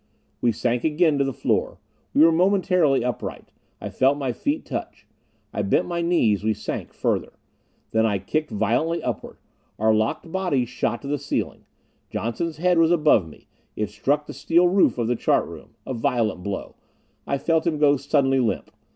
We sank again to the floor. We were momentarily upright. I felt my feet touch. I bent my knees. We sank further. And then I kicked violently upward. Our locked bodies shot to the ceiling. Johnson's head was above me. It struck the steel roof of the chart room. A violent blow. I felt him go suddenly limp.